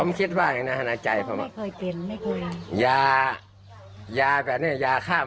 ไม่คิดว่ามันเป็นอะไรเพราะยาต่อนยกร้วม